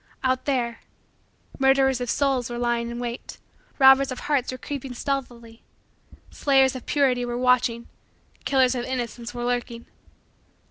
Out there, murderers of souls were lying in wait; robbers of hearts were creeping stealthily; slayers of purity were watching; killers of innocence were lurking.